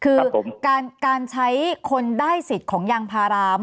คือการการใช้คนได้สิทธิ์ของยางพาราคุณพอดีนะคะ